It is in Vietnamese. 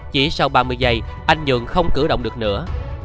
chỉ sau ba mươi giây anh dường không cử động được nữa